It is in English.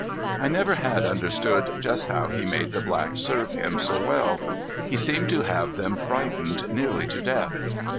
I never had understood just how he made the blacks serve him so well. He seemed to have them frightened nearly to death.